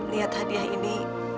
lihat hadiah ini